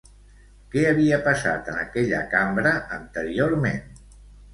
Què havia passat en aquella cambra anteriorment?